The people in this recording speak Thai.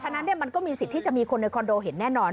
ฉะนั้นมันก็มีสิทธิ์ที่จะมีคนในคอนโดเห็นแน่นอน